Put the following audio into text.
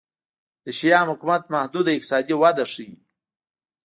د شیام حکومت محدوده اقتصادي وده ښيي.